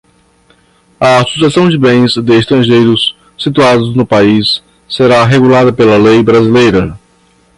a sucessão de bens de estrangeiros situados no país será regulada pela lei brasileira